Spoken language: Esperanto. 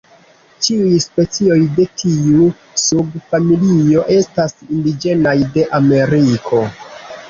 Ĉiuj specioj de tiu subfamilio estas indiĝenaj de Ameriko.